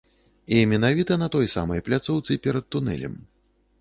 І менавіта на той самай пляцоўцы перад тунэлем.